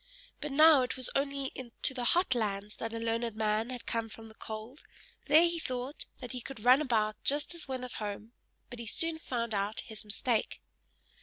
But now it was only to the HOT lands that a learned man had come from the cold; there he thought that he could run about just as when at home, but he soon found out his mistake.